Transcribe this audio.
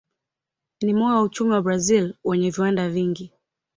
Ni moyo wa uchumi wa Brazil wenye viwanda vingi.